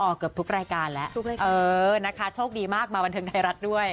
เกือบทุกรายการแล้วทุกรายการเออนะคะโชคดีมากมาบันเทิงไทยรัฐด้วย